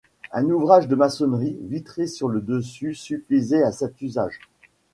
Un ouvrage de maçonnerie vitrée sur le dessus suffisait à cet usage.